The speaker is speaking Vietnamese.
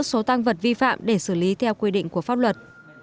số tăng vật vi phạm để xử lý theo quy định của pháp luật